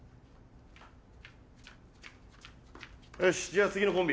よしじゃあ次のコンビ。